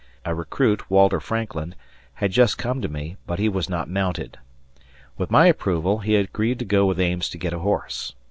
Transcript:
A recruit, Walter Frankland, had just come to me, but he was not mounted. With my approval he agreed to go with Ames to get a horse.